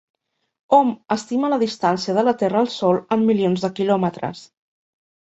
Hom estima la distància de la Terra al Sol en milions de quilòmetres.